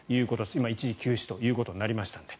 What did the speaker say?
今、一時休止ということになりましたので。